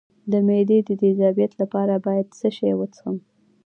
د معدې د تیزابیت لپاره باید څه شی وڅښم؟